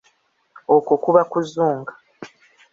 Okwo kuba kuzunga.